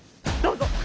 どうぞ。